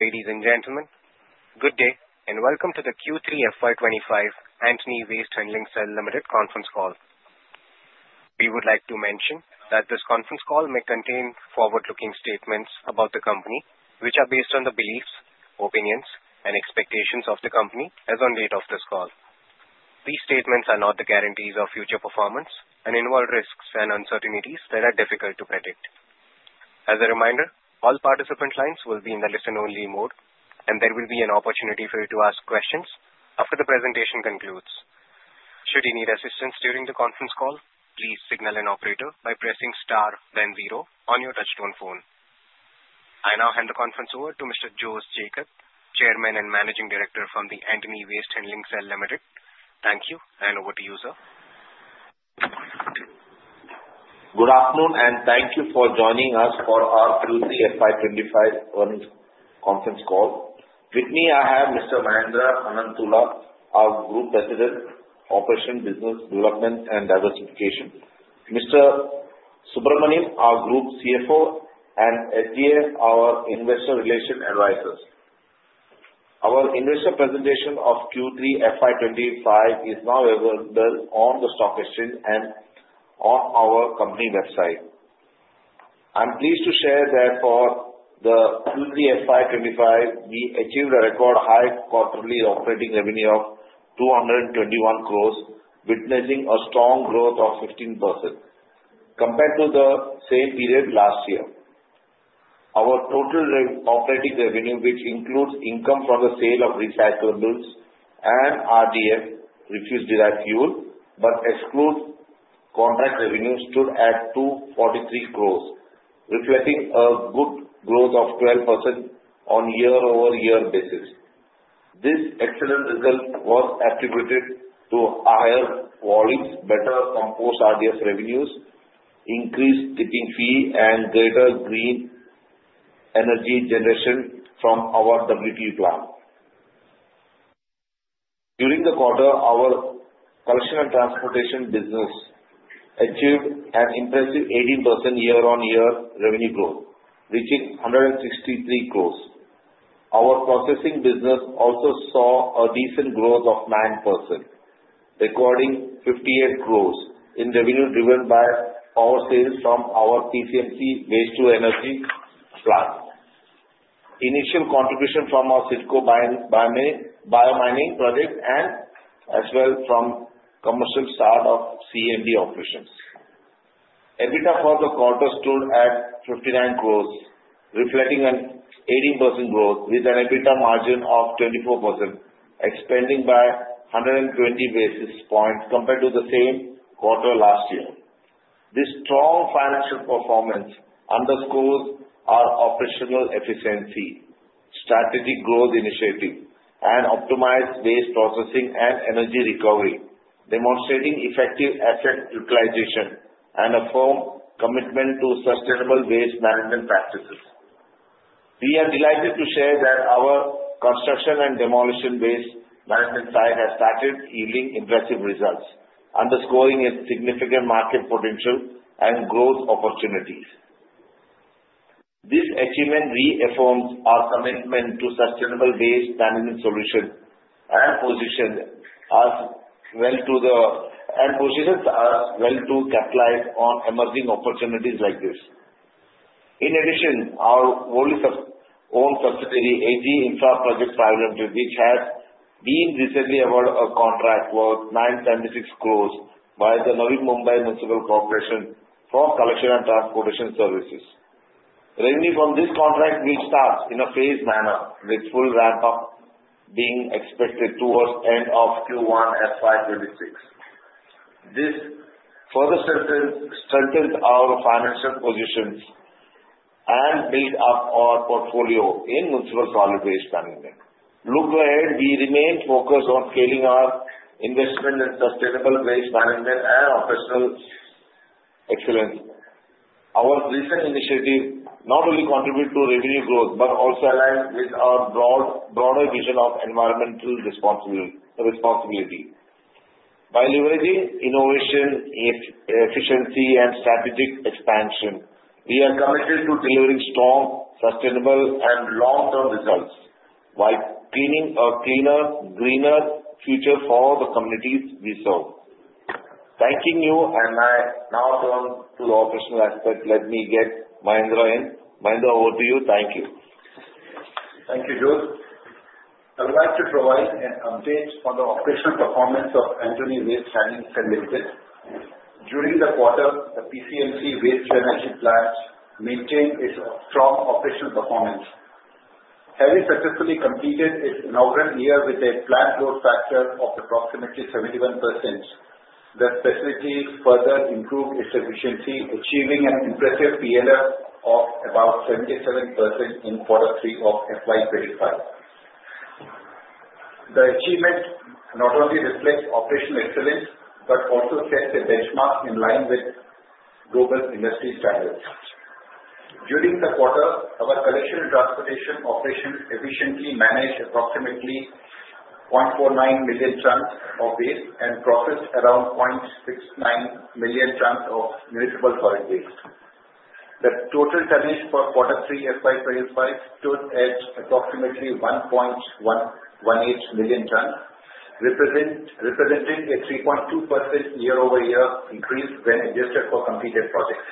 Ladies and gentlemen, good day and Welcome to the Q3 FY25 Antony Waste Handling Cell Limited Conference Call. We would like to mention that this conference call may contain forward-looking statements about the company, which are based on the beliefs, opinions, and expectations of the company as on date of this call. These statements are not the guarantees of future performance and involve risks and uncertainties that are difficult to predict. As a reminder, all participant lines will be in the listen-only mode, and there will be an opportunity for you to ask questions after the presentation concludes. Should you need assistance during the conference call, please signal an operator by pressing star, then zero on your touch-tone phone. I now hand the conference over to Mr. Jose Jacob, Chairman and Managing Director from Antony Waste Handling Cell Limited. Thank you and over to you, sir. Good afternoon and thank you for joining us for our Q3 FY25 conference call. With me, I have Mr. Mahendra Ananthula, our Group President, Operation, Business Development, and Diversification; Mr. Subramanian, our Group CFO; and SGA, our Investor Relations Advisor. Our Investor Presentation of Q3 FY25 is now available on the stock exchange and on our company website. I'm pleased to share that for the Q3 FY25, we achieved a record high quarterly operating revenue of 221 crore, witnessing a strong growth of 15% compared to the same period last year. Our total operating revenue, which includes income from the sale of recyclables and RDF, Refuse Derived Fuel, but excludes contract revenue, stood at 243 crore, reflecting a good growth of 12% on year-over-year basis. This excellent result was attributed to higher qualities, better compost RDF revenues, increased tipping fee, and greater green energy generation from our WTE plant. During the quarter, our collection and transportation business achieved an impressive 18% year-on-year revenue growth, reaching 163 crore. Our processing business also saw a decent growth of 9%, recording 58 crore in revenue driven by our sales from our PCMC Waste-to-Energy Plant, initial contribution from our CIDCO bio-mining project, and as well from commercial start of C&D operations. EBITDA for the quarter stood at 59 crore, reflecting an 18% growth with an EBITDA margin of 24%, expanding by 120 basis points compared to the same quarter last year. This strong financial performance underscores our operational efficiency, strategic growth initiative, and optimized waste processing and energy recovery, demonstrating effective asset utilization and a firm commitment to sustainable waste management practices. We are delighted to share that our construction and demolition waste management site has started yielding impressive results, underscoring its significant market potential and growth opportunities. This achievement reaffirms our commitment to sustainable waste management solutions and positions us well to capitalize on emerging opportunities like this. In addition, our own subsidiary, AG Infra Project 500, which has been recently awarded a contract worth 976 crore by the Navi Mumbai Municipal Corporation for collection and transportation services. Revenue from this contract will start in a phased manner, with full ramp-up being expected towards the end of Q1 2026. This further strengthens our financial positions and builds up our portfolio in municipal solid waste management. Look ahead, we remain focused on scaling our investment in sustainable waste management and operational excellence. Our recent initiative not only contributes to revenue growth but also aligns with our broader vision of environmental responsibility. By leveraging innovation, efficiency, and strategic expansion, we are committed to delivering strong, sustainable, and long-term results by creating a cleaner, greener future for the communities we serve. Thanking you, and I now turn to the operational aspect. Let me get Mahendra in. Mahendra, over to you. Thank you. Thank you, Jose. I would like to provide an update on the operational performance of Antony Waste Handling Cell Limited. During the quarter, the PCMC Waste-to-Energy Plant maintained its strong operational performance, having successfully completed its inaugural year with a plant load factor of approximately 71%. The facility further improved its efficiency, achieving an impressive PLF of about 77% in quarter three of FY25. The achievement not only reflects operational excellence but also sets a benchmark in line with global industry standards. During the quarter, our collection and transportation operations efficiently managed approximately 0.49 million tons of waste and processed around 0.69 million tons of municipal solid waste. The total tonnage for quarter three FY25 stood at approximately 1.18 million tons, representing a 3.2% year-over-year increase when adjusted for completed projects.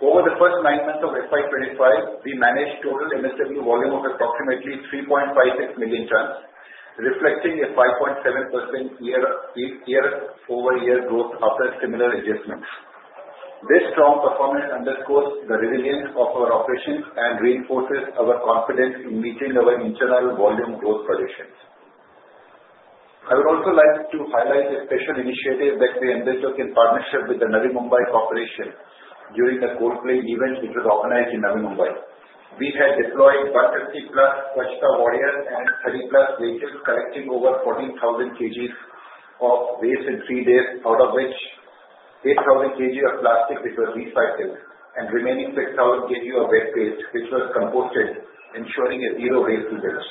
Over the first nine months of FY2025, we managed total MSW volume of approximately 3.56 million tons, reflecting a 5.7% year-over-year growth after similar adjustments. This strong performance underscores the resilience of our operations and reinforces our confidence in meeting our internal volume growth projections. I would also like to highlight a special initiative that we undertook in partnership with the Navi Mumbai Municipal Corporation during the Coldplay event, which was organized in Navi Mumbai. We had deployed 150-plus Swachhta Warriors and 30-plus vehicles, collecting over 14,000 kg of waste in three days, out of which 8,000 kg of plastic, which was recycled, and remaining 6,000 kg of wet waste, which was composted, ensuring a zero waste event.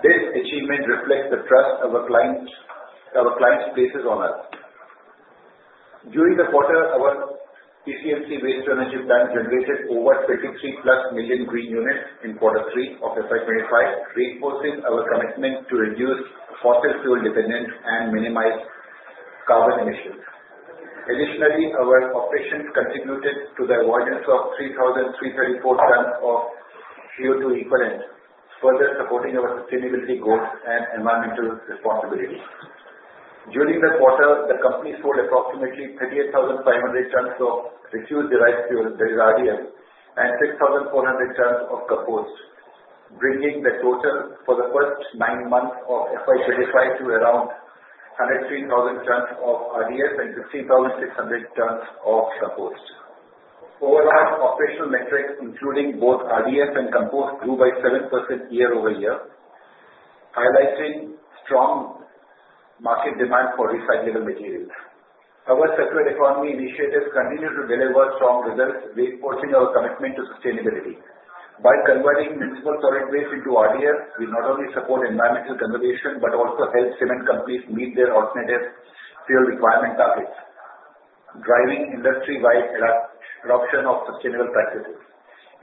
This achievement reflects the trust our clients place on us. During the quarter, our PCMC Waste-to-Energy Plant generated over 23 million green units in quarter three of FY25, reinforcing our commitment to reduce fossil fuel dependence and minimize carbon emissions. Additionally, our operations contributed to the avoidance of 3,334 tons of CO2 equivalent, further supporting our sustainability goals and environmental responsibility. During the quarter, the company sold approximately 38,500 tons of Refuse Derived Fuel, that is RDF, and 6,400 tons of compost, bringing the total for the first nine months of FY25 to around 103,000 tons of RDF and 15,600 tons of compost. Overall, operational metrics, including both RDF and compost, grew by 7% year-over-year, highlighting strong market demand for recyclable materials. Our circular economy initiatives continue to deliver strong results, reinforcing our commitment to sustainability. By converting municipal solid waste into RDF, we not only support environmental conservation but also help cement companies meet their alternative fuel requirement targets, driving industry-wide adoption of sustainable practices.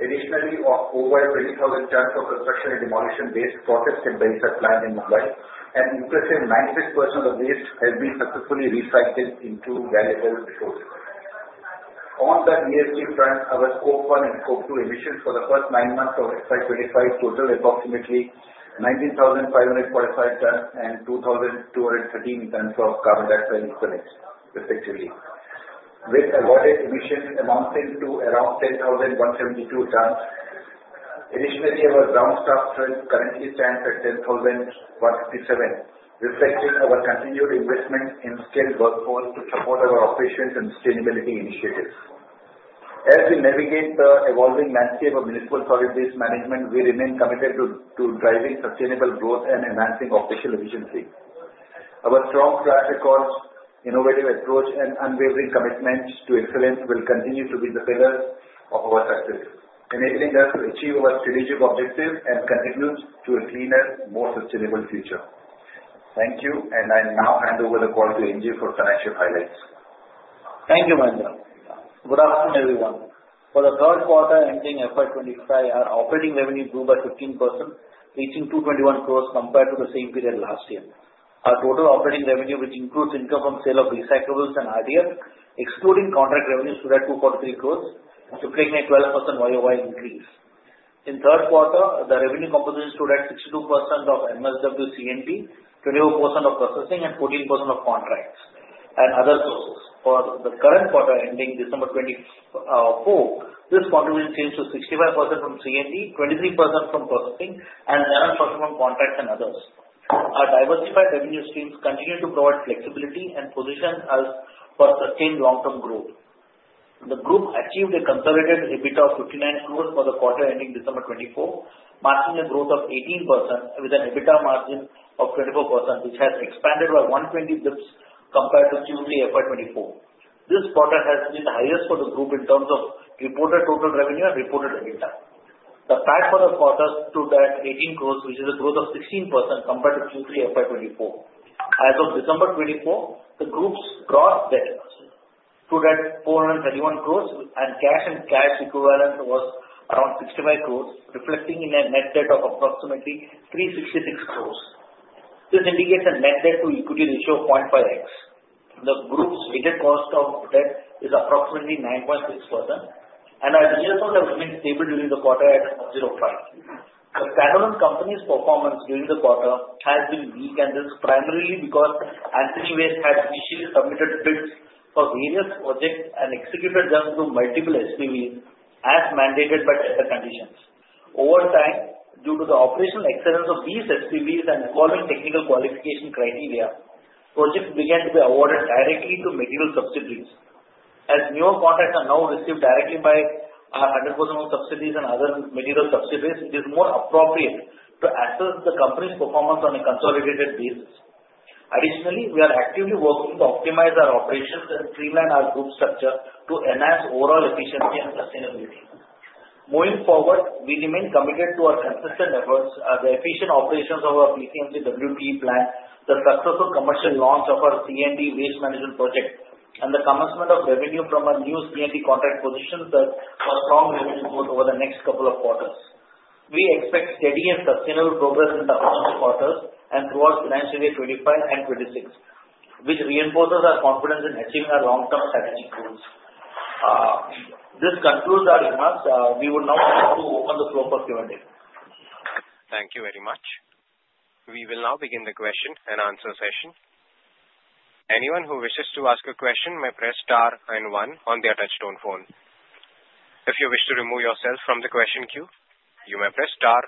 Additionally, over 20,000 tons of construction and demolition waste processed at Dahisar Plant in Mumbai, an impressive 96% of the waste has been successfully recycled into valuable materials. On the ESG front, our scope one and scope two emissions for the first nine months of FY2025 totaled approximately 19,545 tons and 2,213 tons of carbon dioxide equivalents, respectively, with avoided emissions amounting to around 10,172 tons. Additionally, our ground staff strength currently stands at 10,157, reflecting our continued investment in skilled workforce to support our operations and sustainability initiatives. As we navigate the evolving landscape of municipal solid waste management, we remain committed to driving sustainable growth and enhancing operational efficiency. Our strong track record, innovative approach, and unwavering commitment to excellence will continue to be the pillars of our success, enabling us to achieve our strategic objectives and contribute to a cleaner, more sustainable future. Thank you, and I now hand over the call to N.G. for financial highlights. Thank you, Mahendra. Good afternoon, everyone. For the third quarter ending fiscal year 2025, our operating revenue grew by 15%, reaching 221 crore compared to the same period last year. Our total operating revenue, which includes income from sale of recyclables and RDF, excluding contract revenue, stood at 243 crore, reflecting a 12% year-over-year increase. In the third quarter, the revenue composition stood at 62% of MSW, C&D, 24% of processing, and 14% of contracts and other sources. For the current quarter ending December 4, this contribution changed to 65% from C&D, 23% from processing, and 7% from contracts and others. Our diversified revenue streams continue to provide flexibility and position us for sustained long-term growth. The group achieved a consolidated EBITDA of 59 crore for the quarter ending December 24, marking a growth of 18% with an EBITDA margin of 24%, which has expanded by 120 basis points compared to Q3 fiscal year 2024. This quarter has been the highest for the group in terms of reported total revenue and reported EBITDA. The PAT for the quarter stood at 180 million, which is a growth of 16% compared to Q3 FY2024. As of December 2024, the group's gross debt stood at 4.31 billion, and cash and cash equivalent was around 650 million, reflecting in a net debt of approximately 3.66 billion. This indicates a net debt-to-equity ratio of 0.5x. The group's rated cost of debt is approximately 9.6%, and our DSOs have remained stable during the quarter at 0.5. The Standalone Company's performance during the quarter has been weak, and this is primarily because Antony Waste Handling Cell had initially submitted bids for various projects and executed them through multiple SPVs as mandated by tender conditions. Over time, due to the operational excellence of these SPVs and following technical qualification criteria, projects began to be awarded directly to material subsidiaries. As newer contracts are now received directly by our 100% subsidiaries and other material subsidiaries, it is more appropriate to assess the company's performance on a consolidated basis. Additionally, we are actively working to optimize our operations and streamline our group structure to enhance overall efficiency and sustainability. Moving forward, we remain committed to our consistent efforts, the efficient operations of our PCMC WTE plant, the successful commercial launch of our C&D waste management project, and the commencement of revenue from our new C&T contract positions for strong revenue growth over the next couple of quarters. We expect steady and sustainable progress in the upcoming quarters and throughout financial year 2025 and 2026, which reinforces our confidence in achieving our long-term strategic goals. This concludes our remarks. We would now like to open the floor for Q&A. Thank you very much. We will now begin the question and answer session. Anyone who wishes to ask a question may press star and one on the touchstone phone. If you wish to remove yourself from the question queue, you may press star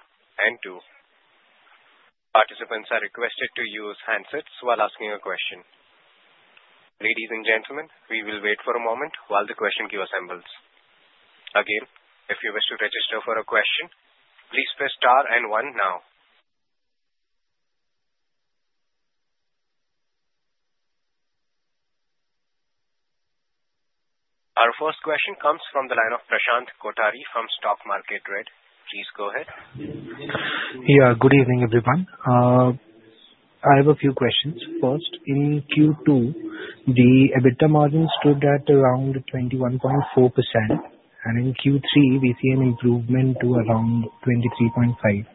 and two. Participants are requested to use handsets while asking a question. Ladies and gentlemen, we will wait for a moment while the question queue assembles. Again, if you wish to register for a question, please press star and one now. Our first question comes from the line of Prashant Kothari from Stock Market Read. Please go ahead. Yeah, good evening, everyone. I have a few questions. First, in Q2, the EBITDA margin stood at around 21.4%, and in Q3, we see an improvement to around 23.5%.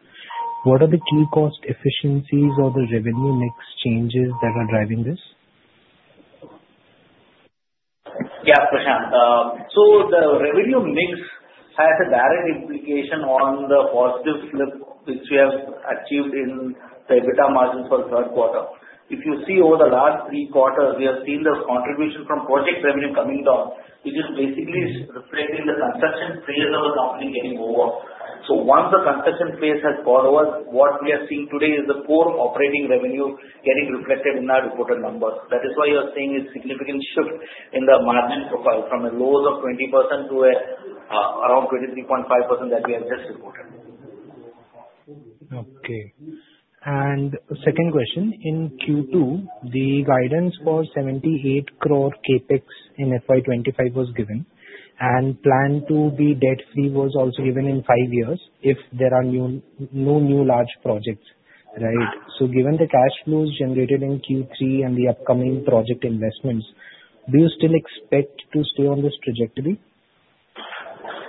What are the key cost efficiencies or the revenue mix changes that are driving this? Yeah, Prashant. The revenue mix has a direct implication on the positive flip which we have achieved in the EBITDA margin for the third quarter. If you see over the last three quarters, we have seen the contribution from project revenue coming down, which is basically reflecting the construction phase of the company getting over. Once the construction phase has gone over, what we are seeing today is the core operating revenue getting reflected in our reported numbers. That is why you are seeing a significant shift in the margin profile from a lows of 20% to around 23.5% that we have just reported. Okay. Second question, in Q2, the guidance for 78 crore capex in FY 2025 was given, and plan to be debt-free was also given in five years if there are no new large projects, right? Given the cash flows generated in Q3 and the upcoming project investments, do you still expect to stay on this trajectory?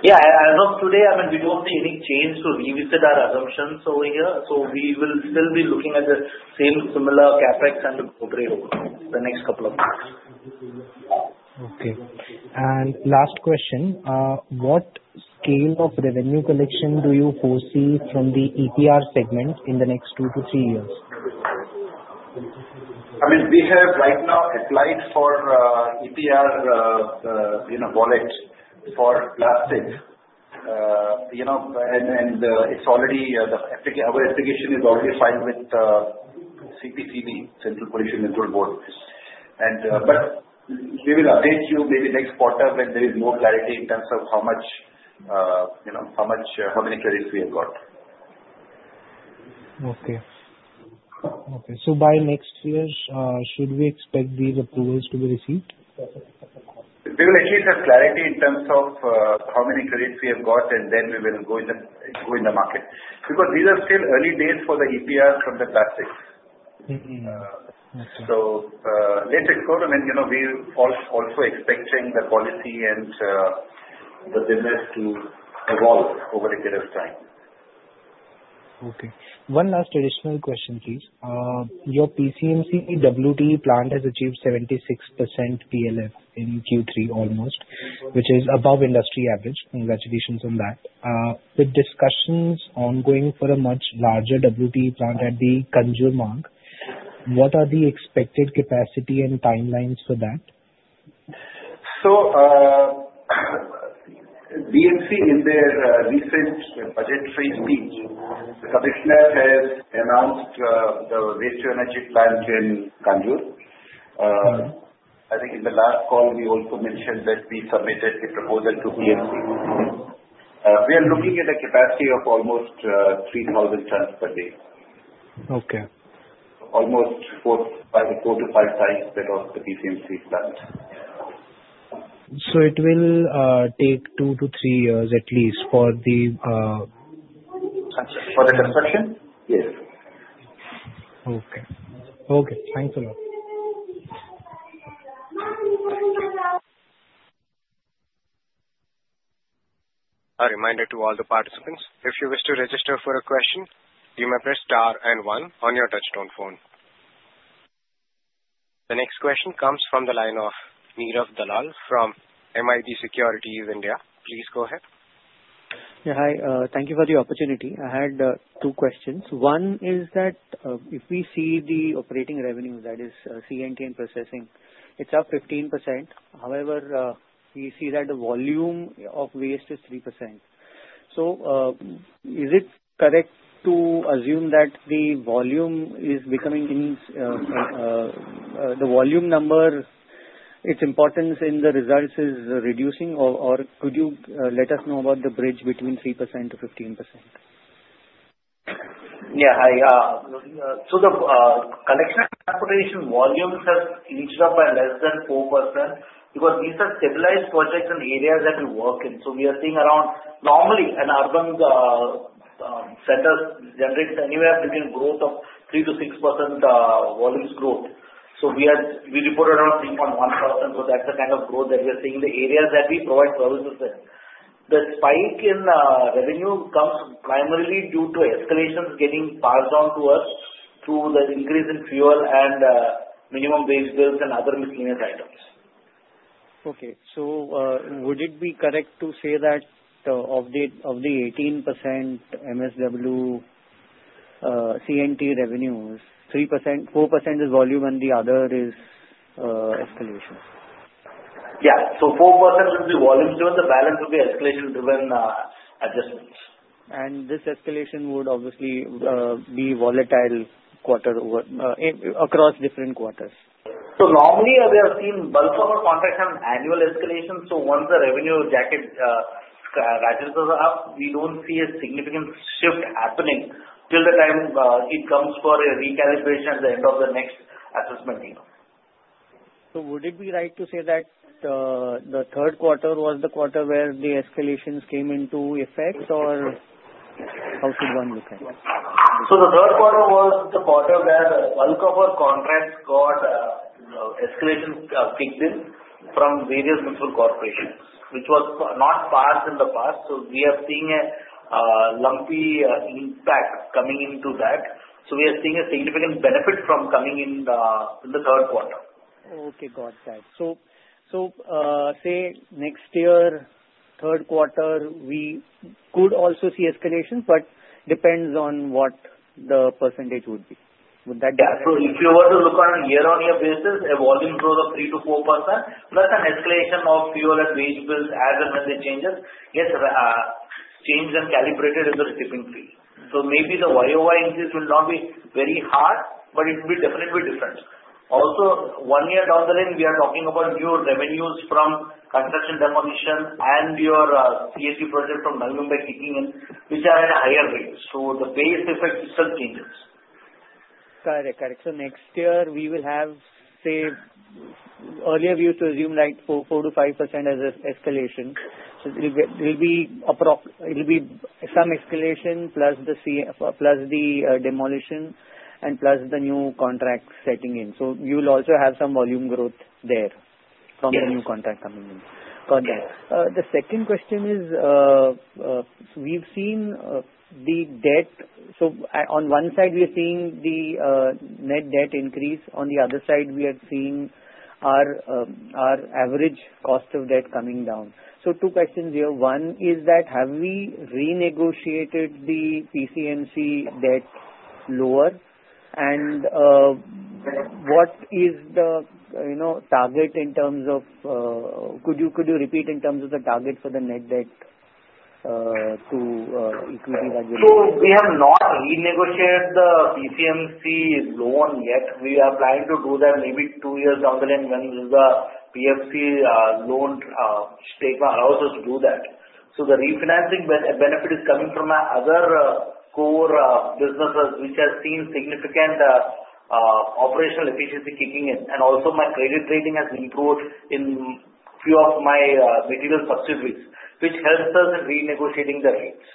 Yeah, as of today, I mean, we don't see any change to revisit our assumptions over here. We will still be looking at the same similar CapEx and the growth rate over the next couple of months. Okay. Last question, what scale of revenue collection do you foresee from the EPR segment in the next two to three years? I mean, we have right now applied for EPR wallet for plastic, and our application is already filed with CPCB, Central Pollution Control Board. We will update you maybe next quarter when there is more clarity in terms of how much credits we have got. Okay. Okay. By next year, should we expect these approvals to be received? We will at least have clarity in terms of how many credits we have got, and then we will go in the market because these are still early days for the EPR from the plastics. I mean, we are also expecting the policy and the business to evolve over a period of time. Okay. One last additional question, please. Your PCMC WTE plant has achieved 76% PLF in Q3 almost, which is above industry average. Congratulations on that. With discussions ongoing for a much larger WTE plant at the Kanjurmarg, what are the expected capacity and timelines for that? BMC, in their recent budget speech, the Commissioner has announced the waste-to-energy plant in Kanjurmarg. I think in the last call, we also mentioned that we submitted the proposal to BMC. We are looking at a capacity of almost 3,000 tons per day, almost four to five times that of the PCMC plant. It will take two to three years at least for the construction? Yes. Okay. Okay. Thanks a lot. A reminder to all the participants, if you wish to register for a question, you may press star and one on your touchstone phone. The next question comes from the line of Neerav Dalal from MIB Securities India. Please go ahead. Yeah, hi. Thank you for the opportunity. I had two questions. One is that if we see the operating revenue, that is C&T and processing, it's up 15%. However, we see that the volume of waste is 3%. Is it correct to assume that the volume is becoming the volume number, its importance in the results is reducing, or could you let us know about the bridge between 3% to 15%? Yeah, hi. The collection and transportation volumes have inched up by less than 4% because these are stabilized projects and areas that we work in. We are seeing around, normally an urban center generates anywhere between growth of 3%-6% volumes growth. We reported around 3.1%. That is the kind of growth that we are seeing in the areas that we provide services in. The spike in revenue comes primarily due to escalations getting passed on to us through the increase in fuel and minimum wage bills and other miscellaneous items. Okay. Would it be correct to say that of the 18% MSW C&T revenues, 4% is volume and the other is escalation? Yeah. 4% would be volume driven. The balance would be escalation-driven adjustments. This escalation would obviously be volatile across different quarters. Normally, we have seen bulk of our contracts have annual escalations. Once the revenue jacket ratchets us up, we do not see a significant shift happening till the time it comes for a recalibration at the end of the next assessment year. Would it be right to say that the third quarter was the quarter where the escalations came into effect, or how should one look at it? The third quarter was the quarter where the bulk of our contracts got escalation kicked in from various municipal corporations, which was not passed in the past. We are seeing a lumpy impact coming into that. We are seeing a significant benefit from coming in the third quarter. Okay. Got that. Say next year, third quarter, we could also see escalation, but depends on what the percentage would be. Would that be? Yeah. If you were to look on a year-on-year basis, a volume growth of 3%-4% plus an escalation of fuel and wage bills as and when they change, gets changed and calibrated in the tipping fee. Maybe the year-on-year increase will not be very hard, but it will be definitely different. Also, one year down the line, we are talking about new revenues from construction demolition and your C&T project from Navi Mumbai by kicking in, which are at a higher rate. The base effect system changes. Got it. Got it. Next year, we will have, say, earlier view to assume like 4%-5% as an escalation. There will be some escalation plus the demolition and plus the new contract setting in. You will also have some volume growth there from the new contract coming in. Yes. Got that. The second question is we've seen the debt. On one side, we are seeing the net debt increase. On the other side, we are seeing our average cost of debt coming down. Two questions here. One is that have we renegotiated the PCMC debt lower? What is the target in terms of could you repeat in terms of the target for the net debt to equity? We have not renegotiated the PCMC loan yet. We are planning to do that maybe two years down the line when the PFC loan stakeholders do that. The refinancing benefit is coming from our other core businesses, which has seen significant operational efficiency kicking in. Also, my credit rating has improved in a few of my material subsidiaries, which helps us in renegotiating the rates.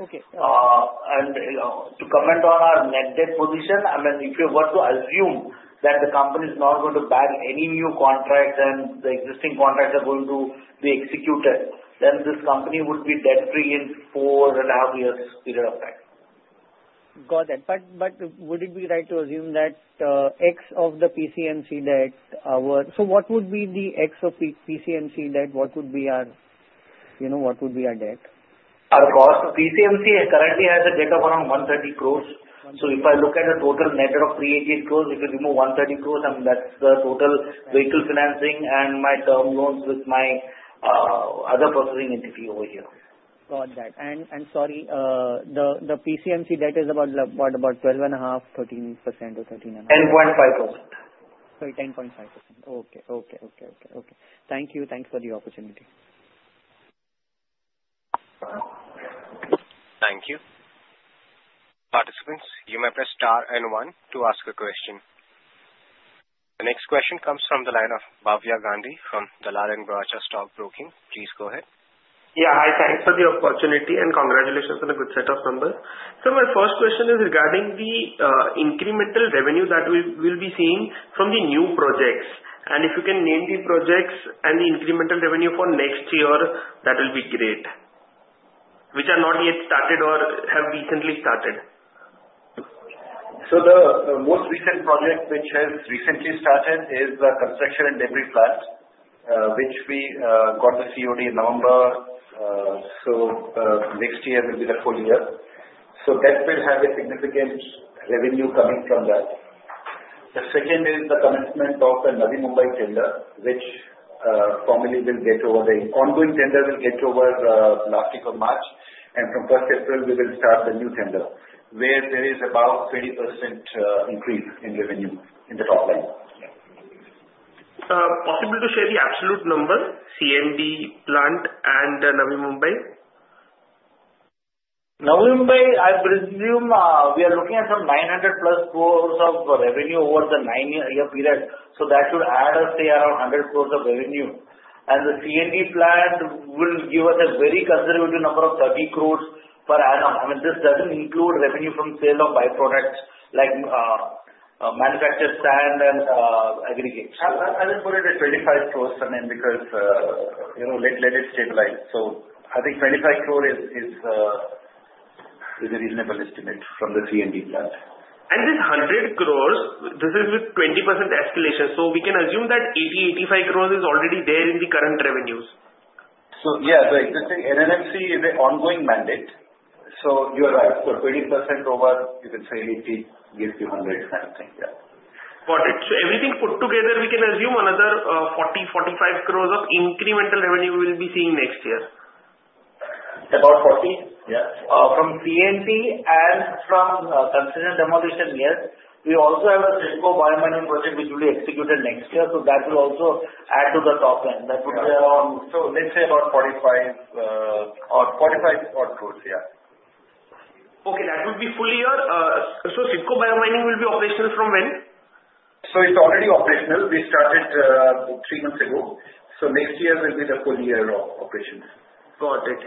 Okay. To comment on our net debt position, I mean, if you were to assume that the company is not going to bag any new contracts and the existing contracts are going to be executed, then this company would be debt-free in four and a half years period of time. Got it. Would it be right to assume that X of the PCMC debt, so what would be the X of PCMC debt? What would be our debt? Of course, the PCMC currently has a debt of around 130 crore. If I look at the total net of 388 crore, if you remove 130 crore, I mean, that's the total vehicle financing and my term loans with my other processing entity over here. Got that. Sorry, the PCMC debt is about what? About 12.5%, 13%, or 13.5%? 10.5%. Sorry, 10.5%. Okay. Thank you. Thanks for the opportunity. Thank you. Participants, you may press star and one to ask a question. The next question comes from the line of Bhavya Gandhi from Dalal and Broacha Stock Broking. Please go ahead. Yeah, hi. Thanks for the opportunity and congratulations on a good set of numbers. My first question is regarding the incremental revenue that we will be seeing from the new projects. If you can name the projects and the incremental revenue for next year, that will be great, which are not yet started or have recently started. The most recent project which has recently started is the construction and demolition plant, which we got the COD in November. Next year will be the full year. That will have a significant revenue coming from that. The second is the commencement of the Navi Mumbai tender, which formally will get over, the ongoing tender will get over last week of March. From first April, we will start the new tender, where there is about 30% increase in revenue in the top line. Possible to share the absolute number, C&D plant and the Navi Mumbai? Navi Mumbai, I presume we are looking at some 900 crore-plus of revenue over the nine-year period. That should add us, say, around 100 crore of revenue. The C&D plant will give us a very conservative number of 30 crore per annum. I mean, this does not include revenue from sale of byproducts like manufactured sand and aggregates. I will put it at 25 crore per annum because let it stabilize. I think 25 crore is a reasonable estimate from the C&D plant. This 100 crore, this is with 20% escalation. We can assume that 80- 85 crore is already there in the current revenues. Yeah, the existing NMMC is an ongoing mandate. You are right. 20% over, you can say 80 gives you 100 kind of thing. Yeah. Got it. Everything put together, we can assume another 40 crore-45 crore of incremental revenue we will be seeing next year. About 40? Yeah. From C&D and from construction and demolition, yes. We also have a CIDCO bio-mining project, which will be executed next year. That will also add to the top line. That would be around, let's say about 45 or 45 crore. Yeah. Okay. That would be full year. CIDCO bio-mining will be operational from when? It is already operational. We started three months ago. Next year will be the full year of operations. Got it.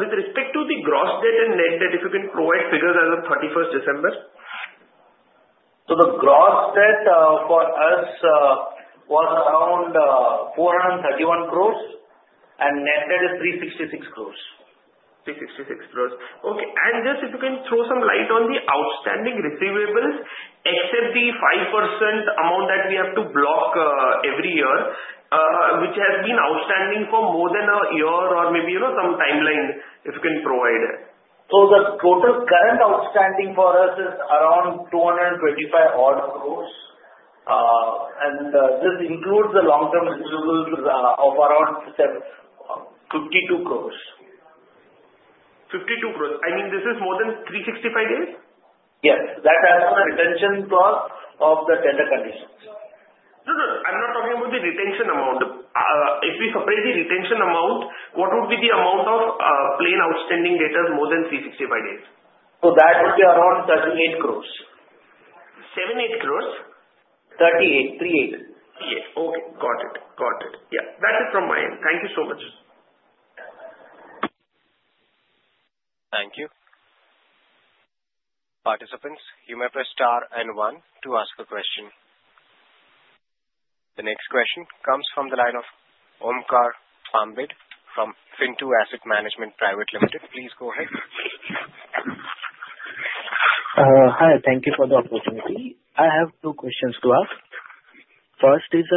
With respect to the gross debt and net debt, if you can provide figures as of 31 December. The gross debt for us was around 431 crore, and net debt is 366 crore. 366 crore. Okay. If you can throw some light on the outstanding receivables, except the 5% amount that we have to block every year, which has been outstanding for more than a year or maybe some timeline, if you can provide it. The total current outstanding for us is around 225 crore. This includes the long-term receivables of around 52 crore. 52 crore. I mean, this is more than 365 days? Yes. That has a retention cost of the tender conditions. No, no. I'm not talking about the retention amount. If we separate the retention amount, what would be the amount of plain outstanding data more than 365 days? That would be around 380 million. 78 crores? 38 crores. three eignt. Okay. Got it. Got it. Yeah. That's it from my end. Thank you so much. Thank you. Participants, you may press star and one to ask a question. The next question comes from the line of Omkar Bhambid from Fintoo Asset Management Private Limited. Please go ahead. Hi. Thank you for the opportunity. I have two questions to ask. First is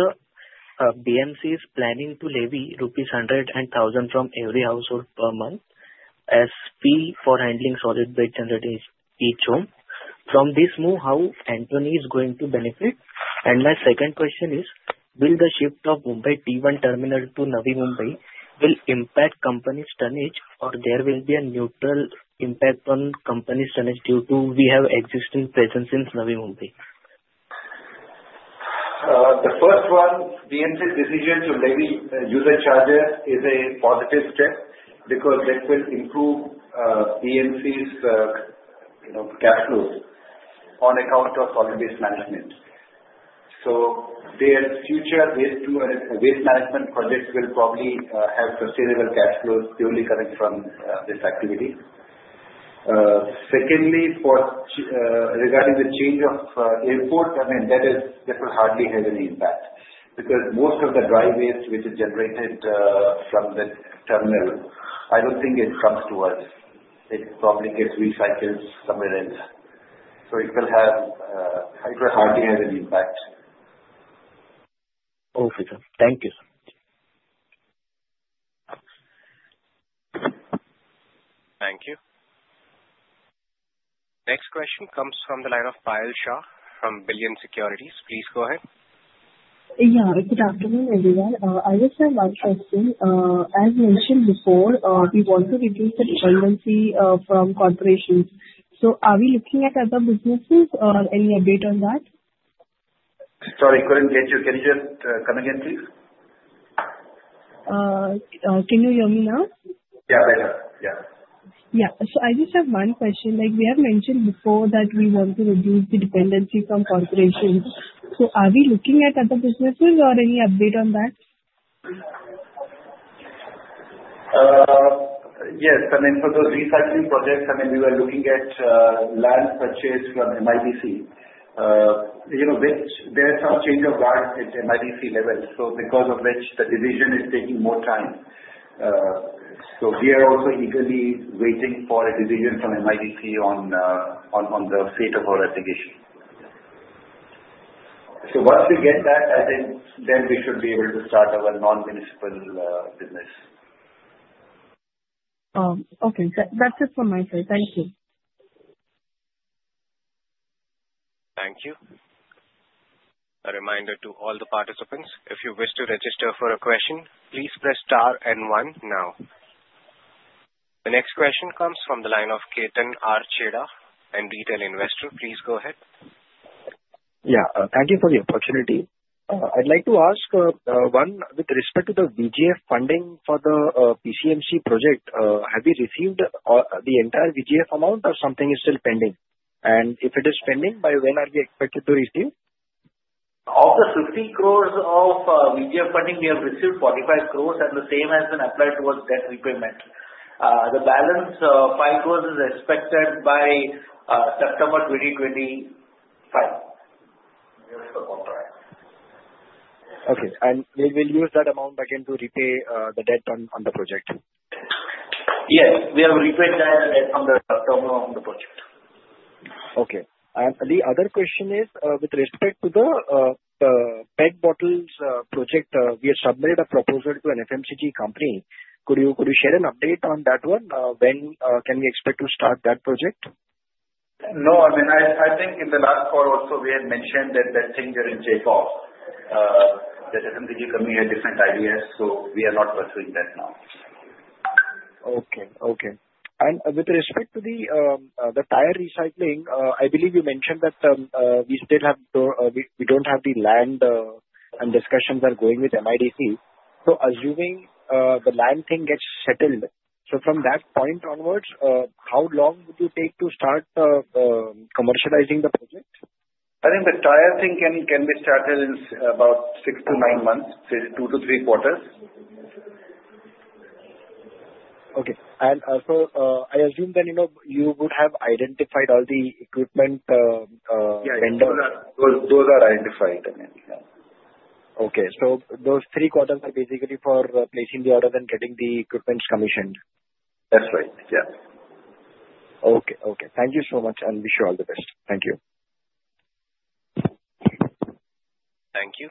BMC is planning to levy rupees 100 and 1,000 from every household per month as fee for handling solid waste in each home. From this move, how Antony is going to benefit? My second question is, will the shift of Mumbai T1 terminal to Navi Mumbai impact company's tonnage or there will be a neutral impact on company's tonnage due to we have existing presence in Navi Mumbai? The first one, BMC's decision to levy user charges is a positive step because that will improve BMC's cash flows on account of solid waste management. Their future waste management projects will probably have sustainable cash flows purely coming from this activity. Secondly, regarding the change of airport, I mean, that will hardly have any impact because most of the dry waste which is generated from the terminal, I don't think it comes to us. It probably gets recycled somewhere else. It will hardly have any impact. Okay. Thank you. Thank you. Next question comes from the line of Payal Shah from Billion Securities. Please go ahead. Yeah. Good afternoon, everyone. I just have one question. As mentioned before, we want to reduce the dependency from corporations. Are we looking at other businesses or any update on that? Sorry, could not get you. Can you just come again, please? Can you hear me now? Yeah, better. Yeah. Yeah. I just have one question. We have mentioned before that we want to reduce the dependency from corporations. Are we looking at other businesses or any update on that? Yes. I mean, for the recycling projects, I mean, we were looking at land purchase from MIDC. There is some change of guard at MIDC level, so because of which the decision is taking more time. We are also eagerly waiting for a decision from MIDC on the fate of our application. Once we get that, then we should be able to start our non-municipal business. Okay. That's it from my side. Thank you. Thank you. A reminder to all the participants, if you wish to register for a question, please press star and one now. The next question comes from the line of Ketan R Chheda, a retail investor. Please go ahead. Yeah. Thank you for the opportunity. I'd like to ask one with respect to the VGF funding for the PCMC project. Have we received the entire VGF amount or something is still pending? If it is pending, by when are we expected to receive? Of the 50 crore of VGF funding, we have received 45 crore, and the same has been applied towards debt repayment. The balance, 5 crore, is expected by September 2025. Okay. They will use that amount again to repay the debt on the project? Yes. We have repaid that debt from the terminal on the project. Okay. The other question is with respect to the PET bottles project, we have submitted a proposal to an FMCG company. Could you share an update on that one? When can we expect to start that project? No. I mean, I think in the last call also, we had mentioned that that thing will take off. The FMCG company had different ideas, so we are not pursuing that now. Okay. Okay. With respect to the tire recycling, I believe you mentioned that we still have to, we do not have the land and discussions are going with MIDC. Assuming the land thing gets settled, from that point onwards, how long would you take to start commercializing the project? I think the tire thing can be started in about six to nine months, say, two to three quarters. Okay. I assume then you would have identified all the equipment vendors. Yeah. Those are identified. Okay. So those three quarters are basically for placing the order and getting the equipment commissioned? That's right. Yeah. Okay. Okay. Thank you so much, and wish you all the best. Thank you. Thank you.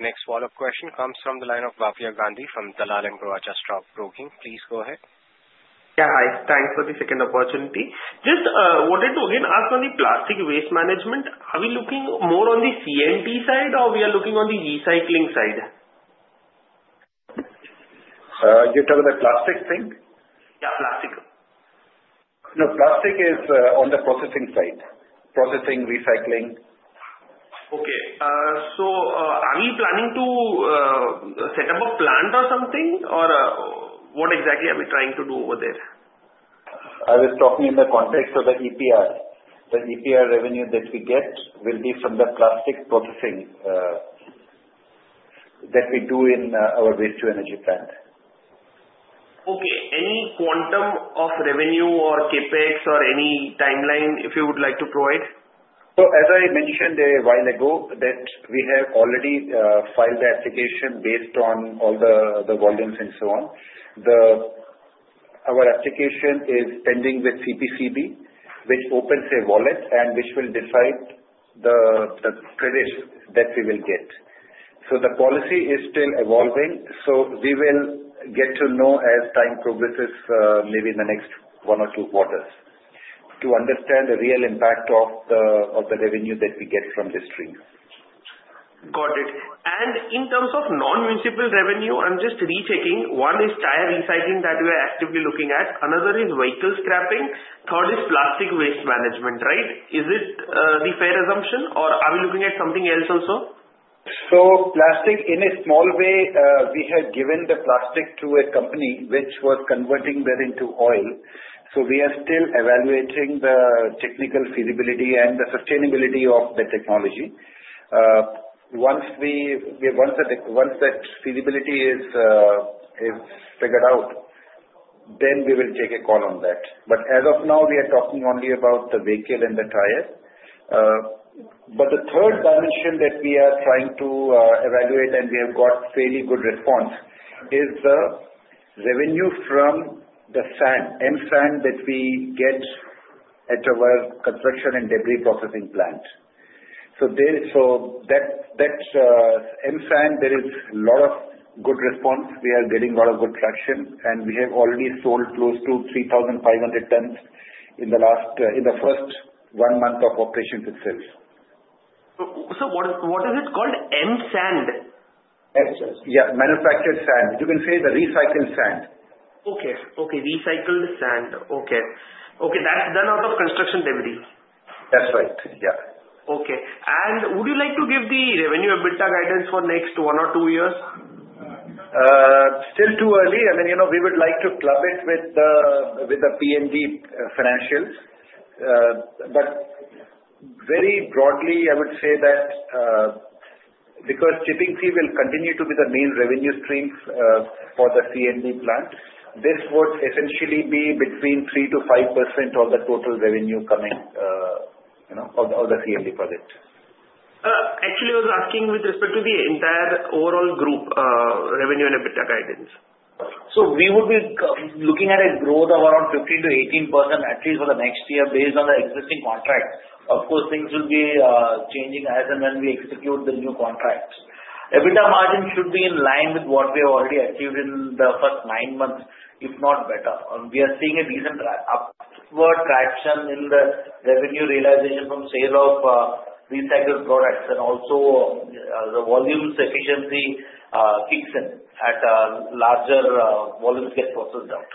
Next follow-up question comes from the line of Bhavya Gandhi from Dalal and Broacha Stock Broking. Please go ahead. Yeah. Hi. Thanks for the second opportunity. Just wanted to again ask on the plastic waste management. Are we looking more on the C&T side or we are looking on the recycling side? You talk about the plastic thing? Yeah, plastic. No, plastic is on the processing side, processing, recycling. Okay. Are we planning to set up a plant or something, or what exactly are we trying to do over there? I was talking in the context of the EPR. The EPR revenue that we get will be from the plastic processing that we do in our waste-to-energy plant. Okay. Any quantum of revenue or CapEx or any timeline if you would like to provide? As I mentioned a while ago, we have already filed the application based on all the volumes and so on. Our application is pending with CPCB, which opens a wallet and which will decide the credit that we will get. The policy is still evolving. We will get to know as time progresses, maybe in the next one or two quarters, to understand the real impact of the revenue that we get from this stream. Got it. In terms of non-municipal revenue, I'm just rechecking. One is tire recycling that we are actively looking at. Another is vehicle scrapping. Third is plastic waste management, right? Is it a fair assumption, or are we looking at something else also? Plastic, in a small way, we have given the plastic to a company which was converting that into oil. We are still evaluating the technical feasibility and the sustainability of the technology. Once that feasibility is figured out, we will take a call on that. As of now, we are talking only about the vehicle and the tire. The third dimension that we are trying to evaluate and we have got fairly good response is the revenue from the sand, M-Sand, that we get at our construction and debris processing plant. That M-Sand, there is a lot of good response. We are getting a lot of good traction, and we have already sold close to 3,500 tons in the first one month of operations itself. What is it called? M-Sand? M-Sand. Yeah. Manufactured sand. You can say the recycled sand. Okay. Okay. Recycled sand. Okay. Okay. That's done out of construction debris. That's right. Yeah. Okay. Would you like to give the revenue a bit of guidance for next one or two years? Still too early. I mean, we would like to club it with the C&D financials. But very broadly, I would say that because shipping fee will continue to be the main revenue stream for the C&D plant, this would essentially be between 3%-5% of the total revenue coming of the C&D project. Actually, I was asking with respect to the entire overall group revenue and EBITDA guidance. We will be looking at a growth of around 15%-18%, at least for the next year, based on the existing contract. Of course, things will be changing as and when we execute the new contracts. EBITDA margin should be in line with what we have already achieved in the first nine months, if not better. We are seeing a decent upward traction in the revenue realization from sale of recycled products, and also the volumes efficiency kicks in at larger volumes get processed out.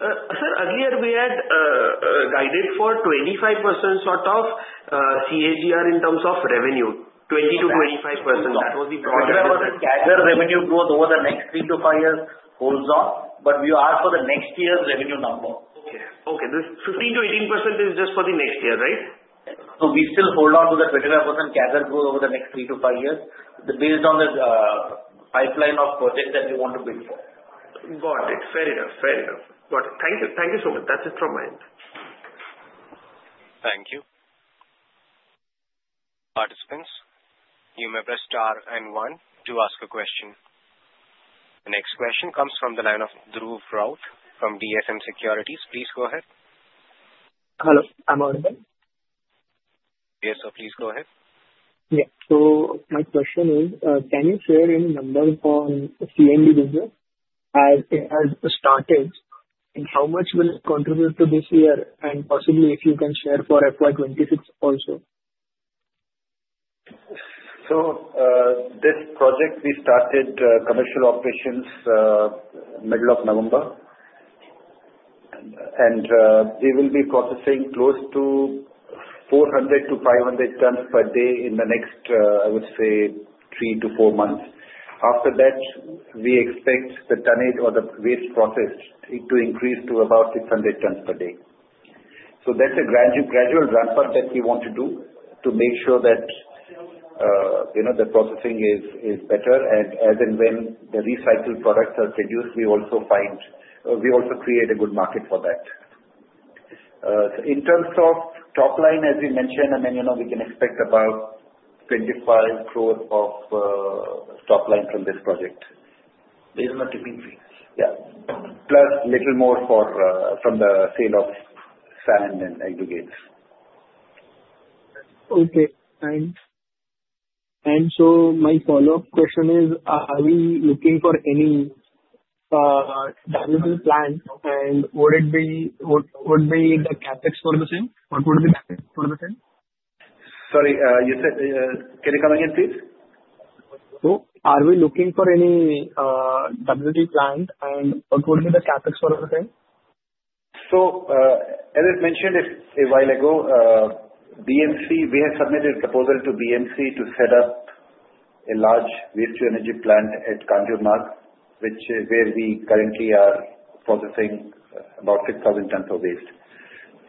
Sir, earlier we had guided for 25% sort of CAGR in terms of revenue, 20-25%. That was the broader. 25% CAGR revenue growth over the next three to five years holds on, but we ask for the next year's revenue number. Okay. Okay. 15%-18% is just for the next year, right? We still hold on to the 25% CAGR growth over the next three to five years based on the pipeline of projects that we want to build for. Got it. Fair enough. Fair enough. Got it. Thank you. Thank you so much. That's it from my end. Thank you. Participants, you may press star and one to ask a question. The next question comes from the line of Dhruv Raut from DSM Securities. Please go ahead. Hello. Am I audible? Yes. Please go ahead. Yeah. My question is, can you share any number on C&D business as it has started, and how much will it contribute to this year? Possibly, if you can share for FY 2026 also. This project, we started commercial operations middle of November, and we will be processing close to 400-500 tons per day in the next, I would say, three to four months. After that, we expect the tonnage or the waste processed to increase to about 600 tons per day. That is a gradual ramp-up that we want to do to make sure that the processing is better, and as and when the recycled products are produced, we also create a good market for that. In terms of top line, as you mentioned, I mean, we can expect about 250 million of top line from this project based on the tipping fee. Yeah. Plus a little more from the sale of sand and aggregates. Okay. My follow-up question is, are we looking for any WTE plants, and what would be the CapEx for the same? What would be the CapEx for the same? Sorry. Can you come again, please? Are we looking for any WTE plant, and what would be the CapEx for the same? As I mentioned a while ago, we have submitted a proposal to BMC to set up a large waste-to-energy plant at Kanjurmarg, which is where we currently are processing about 6,000 tons of waste.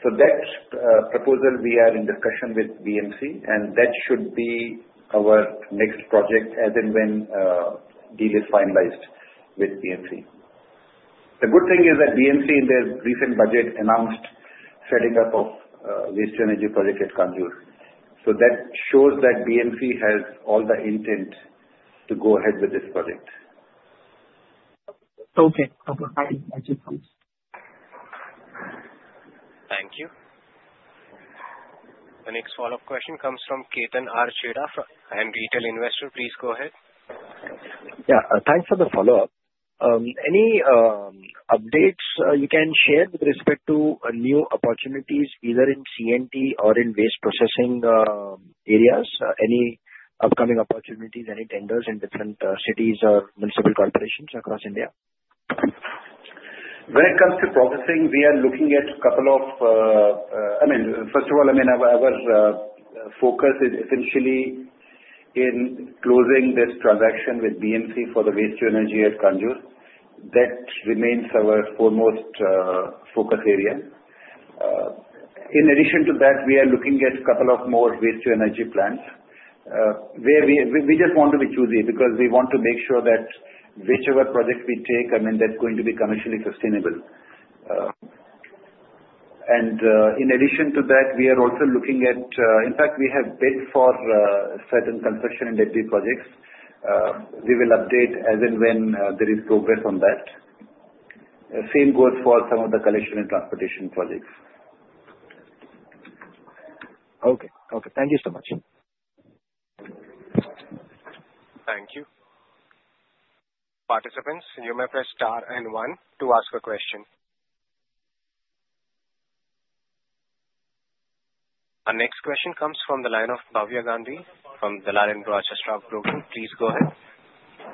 That proposal, we are in discussion with BMC, and that should be our next project as and when deal is finalized with BMC. The good thing is that BMC, in their recent budget, announced setting up a waste-to-energy project at Kanjurmarg. That shows that BMC has all the intent to go ahead with this project. Okay. Okay. I just want to. Thank you. The next follow-up question comes from Ketan Arch Heda, a retail investor. Please go ahead. Yeah. Thanks for the follow-up. Any updates you can share with respect to new opportunities either in C&D or in waste processing areas? Any upcoming opportunities, any tenders in different cities or municipal corporations across India? When it comes to processing, we are looking at a couple of, I mean, first of all, I mean, our focus is essentially in closing this transaction with BMC for the waste-to-energy at Kanjur. That remains our foremost focus area. In addition to that, we are looking at a couple of more waste-to-energy plants where we just want to be choosy because we want to make sure that whichever project we take, I mean, that's going to be commercially sustainable. In addition to that, we are also looking at, in fact, we have bid for certain construction and debris projects. We will update as and when there is progress on that. Same goes for some of the collection and transportation projects. Okay. Okay. Thank you so much. Thank you. Participants, you may press star and one to ask a question. Our next question comes from the line of Bhavya Gandhi from Dalal and Broacha Stock Broking. Please go ahead.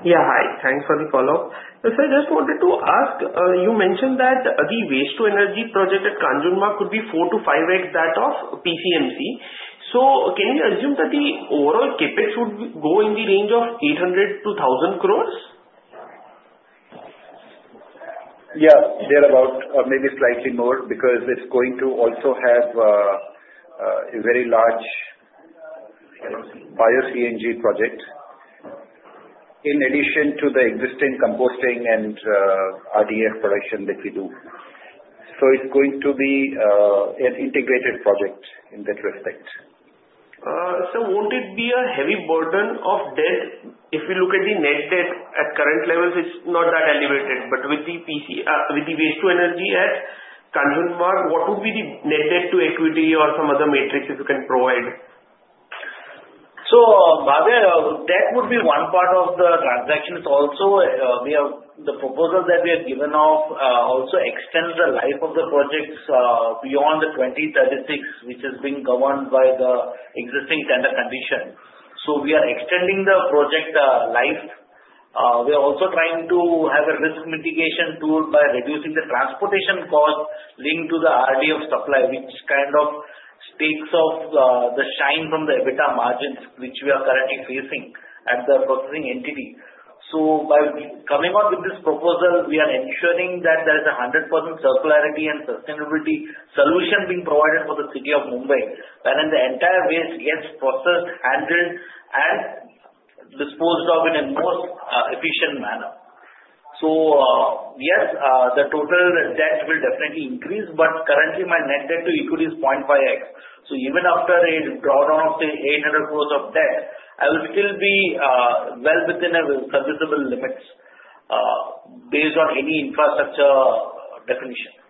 Yeah. Hi. Thanks for the follow-up. Sir, I just wanted to ask, you mentioned that the waste-to-energy project at Kanjurmarg could be four to five X that of PCMC. Can we assume that the overall CapEx would go in the range of INR 800 crore-INR 1,000 crore? Yeah. Thereabout, maybe slightly more because it's going to also have a very large bio-CNG project in addition to the existing composting and RDF production that we do. It is going to be an integrated project in that respect. Sir, won't it be a heavy burden of debt? If we look at the net debt at current levels, it's not that elevated. With the waste-to-energy at Kanjurmarg, what would be the net debt to equity or some other matrix if you can provide? Bhavya, that would be one part of the transaction itself. The proposal that we have given off also extends the life of the projects beyond 2036, which is being governed by the existing tender condition. We are extending the project life. We are also trying to have a risk mitigation tool by reducing the transportation cost linked to the RDF supply, which kind of takes off the shine from the EBITDA margins which we are currently facing at the processing entity. By coming up with this proposal, we are ensuring that there is a 100% circularity and sustainability solution being provided for the city of Mumbai, and then the entire waste gets processed, handled, and disposed of in a most efficient manner. Yes, the total debt will definitely increase, but currently, my net debt to equity is 0.5X. Even after a drawdown of, say, 8 billion of debt, I will still be well within the serviceable limits based on any infrastructure definition.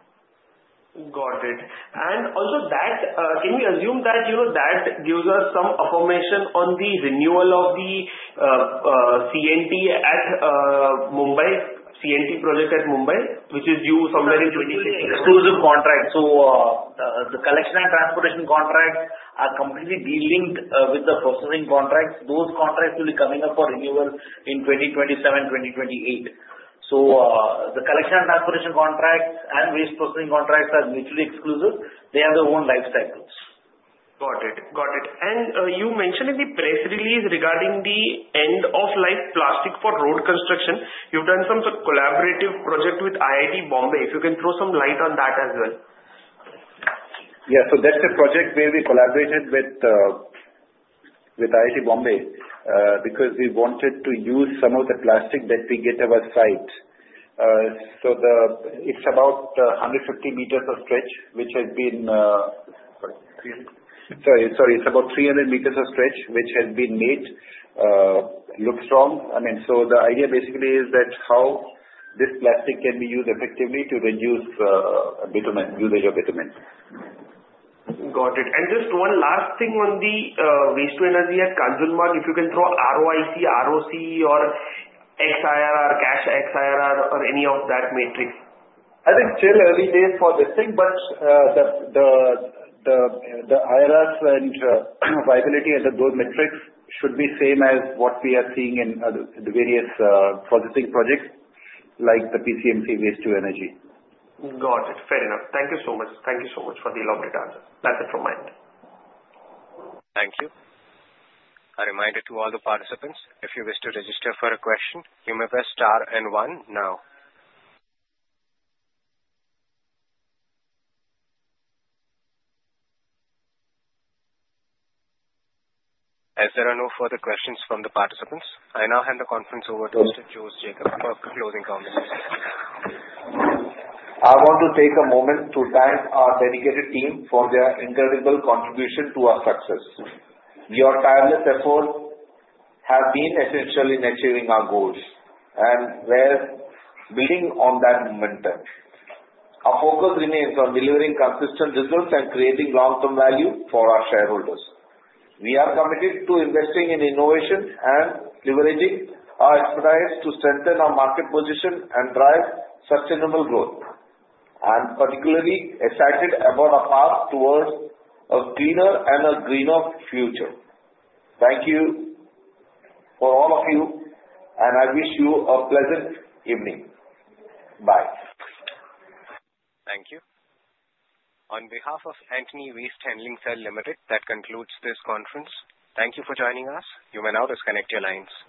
Got it. Also, can we assume that gives us some affirmation on the renewal of the CNT at Mumbai, CNT project at Mumbai, which is due somewhere in 2026? Exclusive contract. The collection and transportation contracts are completely dealing with the processing contracts. Those contracts will be coming up for renewal in 2027, 2028. The collection and transportation contracts and waste processing contracts are mutually exclusive. They have their own life cycles. Got it. Got it. You mentioned in the press release regarding the end-of-life plastic for road construction, you've done some collaborative project with IIT Bombay. If you can throw some light on that as well. Yeah. That's a project where we collaborated with IIT Bombay because we wanted to use some of the plastic that we get to our site. It's about 150 meters of stretch, which has been—sorry. Sorry. It's about 300 meters of stretch, which has been made. Looks strong. I mean, the idea basically is that how this plastic can be used effectively to reduce usage of bitumen. Got it. Just one last thing on the waste-to-energy at Kanjurmarg, if you can throw ROIC, ROC, or XIRR, cash XIRR, or any of that matrix. I think still early days for this thing, but the IRRs and viability under those metrics should be same as what we are seeing in the various processing projects like the PCMC waste-to-energy. Got it. Fair enough. Thank you so much. Thank you so much for the elaborate answer. That's it from my end. Thank you. A reminder to all the participants, if you wish to register for a question, you may press star and one now. As there are no further questions from the participants, I now hand the conference over to Mr. Jose Jacob for closing comments. I want to take a moment to thank our dedicated team for their incredible contribution to our success. Your tireless efforts have been essential in achieving our goals, and we are building on that momentum. Our focus remains on delivering consistent results and creating long-term value for our shareholders. We are committed to investing in innovation and leveraging our expertise to strengthen our market position and drive sustainable growth, and particularly excited about our path towards a cleaner and a greener future. Thank you for all of you, and I wish you a pleasant evening. Bye. Thank you. On behalf of Antony Waste Handling Cell Limited, that concludes this conference. Thank you for joining us. You may now disconnect your lines.